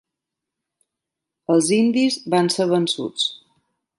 Els indis van ser vençuts.